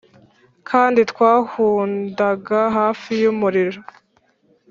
kandi twahudaga hafi y'umuriro,